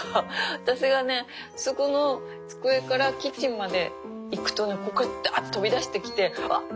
私がねそこの机からキッチンまで行くとこっからダッて飛び出してきてあっ！